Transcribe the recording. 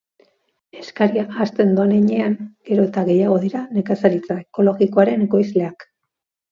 Eskaria hazten doan heinean, gero eta gehiago dira nekazaritza ekologikoaren ekoizleak.